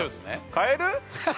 ◆変える？